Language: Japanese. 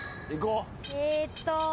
えっと。